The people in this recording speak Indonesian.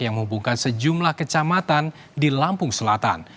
yang menghubungkan sejumlah kecamatan di lampung selatan